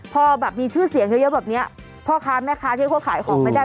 พอแบบมีชื่อเสียงเยอะแบบนี้พ่อค้าแม่ค้าที่เขาขายของไม่ได้